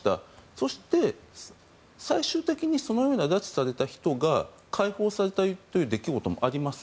そして、最終的にそのように拉致された人が解放されたという出来事もあります。